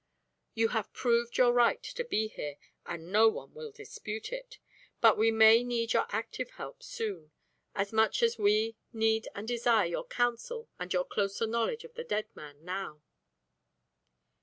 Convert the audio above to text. "You have proved your right to be here, and no one will dispute it. We may need your active help soon, as much as we need and desire your counsel and your closer knowledge of the dead man now."